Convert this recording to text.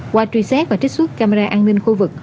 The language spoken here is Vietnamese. qua truy xét và trích xuất camera an ninh khu vực